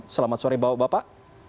selamat sore bapak